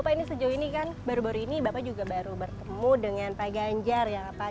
pak ini sejauh ini kan baru baru ini bapak juga baru bertemu dengan pak ganjar ya pak